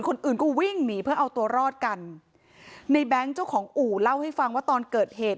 คนอื่นก็วิ่งหนีเพื่อเอาตัวรอดกันในแบงค์เจ้าของอู่เล่าให้ฟังว่าตอนเกิดเหตุ